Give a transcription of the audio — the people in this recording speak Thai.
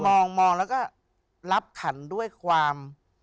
มองแล้วก็รับขันด้วยความ